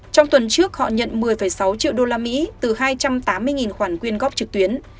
trong tuần trước họ nhận một mươi sáu triệu usd từ hai trăm tám mươi khoản quyên góp trực tuyến